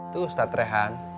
tuh ustadz rehan